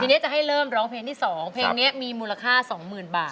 ทีนี้จะให้เริ่มร้องเพลงที่๒เพลงนี้มีมูลค่า๒๐๐๐บาท